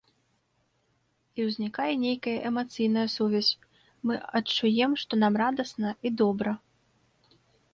І ўзнікае нейкая эмацыйная сувязь, мы адчуем, што нам радасна і добра.